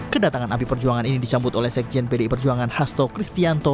kedatangan api perjuangan ini disambut oleh sekjen pdi perjuangan hasto kristianto